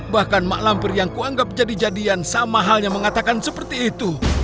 bahkan mak lampir yang kuanggap jadi jadian sama hal yang mengatakan seperti itu